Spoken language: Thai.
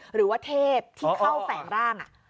หรือว่าเทพที่เข้าแฝงร่าง